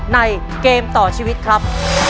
ในเกมต่อชีวิตครับ